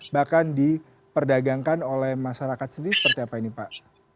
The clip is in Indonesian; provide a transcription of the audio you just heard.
bahkan diperdagangkan oleh masyarakat sendiri seperti apa ini pak